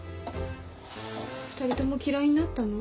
２人とも嫌いになったの？